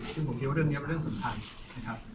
ซึ่งผมคิดว่าเรื่องนี้เป็นเรื่องสำคัญนะครับ